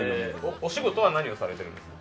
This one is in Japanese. お仕事は何をされてるんですか？